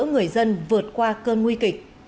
người dân vượt qua cơn nguy kịch